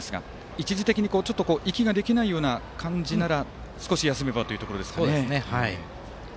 一時的に息ができないような感じなら少し休めばというところですね。